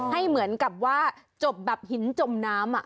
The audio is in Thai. ให้เหมือนกับว่าจบแบบหินจมน้ำ